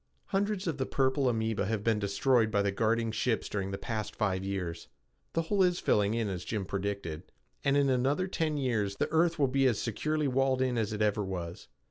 Hundreds of the purple amoeba have been destroyed by the guarding ships during the past five years. The hole is filling in as Jim predicted, and in another ten years the earth will be as securely walled in as it ever was.